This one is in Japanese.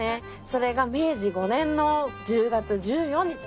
それが明治５年の１０月１４日。